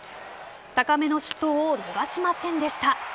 高めの失投を逃しませんでした。